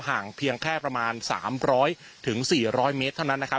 ห่างเพียงแค่ประมาณ๓๐๐๔๐๐เมตรเท่านั้นนะครับ